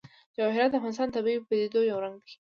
جواهرات د افغانستان د طبیعي پدیدو یو رنګ دی.